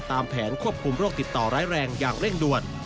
ตามแผนควบคุมโรคติดต่อร้ายแรงอย่างเร่งด่วน